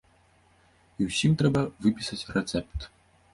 І ўсім трэба выпісаць рэцэпт.